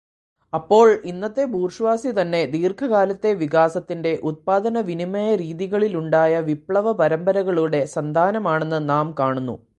അപ്പോൾ, ഇന്നത്തെ ബൂർഷ്വാസിതന്നെ ദീർഘകാലത്തെ വികാസത്തിന്റെ, ഉത്പാദനവിനിമയരീതികളിലുണ്ടായ വിപ്ലവപരമ്പരകളുടെ, സന്താനമാണെന്നു നാം കാണുന്നു.